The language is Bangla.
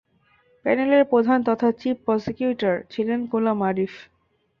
প্যানেলের প্রধান তথা চিফ প্রসিকিউটর ছিলেন গোলাম আরিফ।